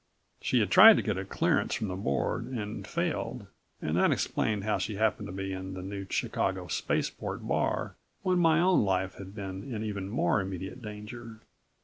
She had tried to get a clearance from the Board and failed and that explained how she happened to be in the New Chicago spaceport bar when my own life had been in even more immediate danger